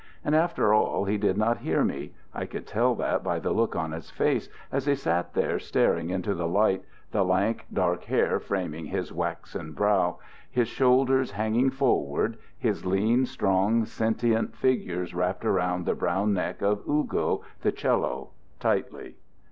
And after all, he did not hear me; I could tell that by the look on his face as he sat there staring into the light, the lank, dark hair framing his waxen brow, his shoulders hanging forward, his lean, strong, sentient fingers wrapped around the brown neck of "Ugo," the 'cello, tightly.